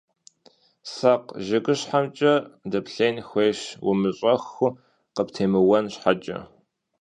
Сакъыу жыгыщхьэмкӀэ дэплъеин хуейщ, умыщӀэххэу къыптемыуэн щхьэкӀэ.